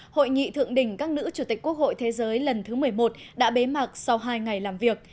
hội nghị thượng đỉnh các nữ chủ tịch quốc hội thế giới lần thứ một mươi một đã bế mạc sau hai ngày làm việc